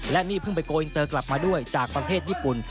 และนี่เพิ่งไปโกอินเตอร์กลับมาด้วยจากประเทศญี่ปุ่น